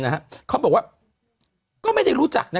เขาบอกว่าก็ไม่ได้รู้จักนะ